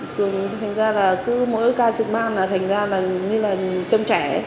thường thành ra là cứ mỗi lúc ca trực ban là thành ra là như là trong trẻ